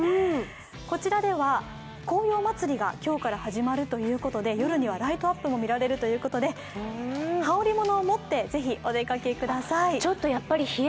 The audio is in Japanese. こちらでは、紅葉まつりが今日から始まるということで夜にはライトアップも見られるということで、羽織物を持ってぜひお出かけください。